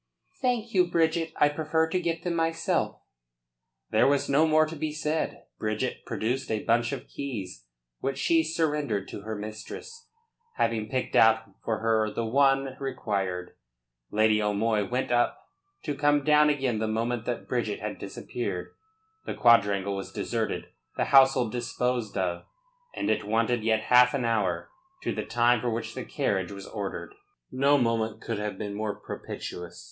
"Thank you, Bridget. I prefer to get them, myself." There was no more to be said. Bridget produced a bunch of keys, which she surrendered to her mistress, having picked out for her the one required. Lady O'Moy went up, to come down again the moment that Bridget had disappeared. The quadrangle was deserted, the household disposed of, and it wanted yet half an hour to the time for which the carriage was ordered. No moment could have been more propitious.